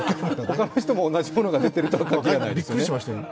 他の人も同じものが出てるとは限らないですね。